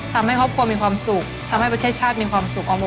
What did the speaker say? ทำให้ครอบครัวมีความสุขทำให้ประเทศชาติมีความสุข